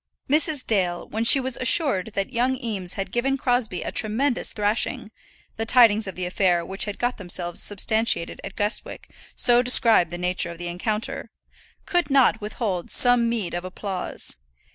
Mrs. Dale, when she was assured that young Eames had given Crosbie a tremendous thrashing the tidings of the affair which had got themselves substantiated at Guestwick so described the nature of the encounter could not withhold some meed of applause.